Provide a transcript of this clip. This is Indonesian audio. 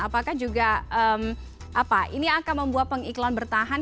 apakah juga ini akan membuat pengiklan bertahan